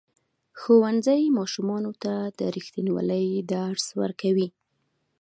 ښوونځی ماشومانو ته د ریښتینولۍ درس ورکوي.